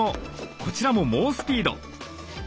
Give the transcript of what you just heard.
こちらも猛スピード！